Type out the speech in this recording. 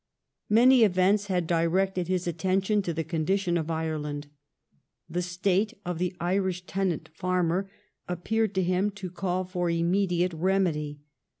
Many events had directed his attention to the condition of Ireland. The state of the Irish tenant farmer appeared to him to call for imme diate remedy.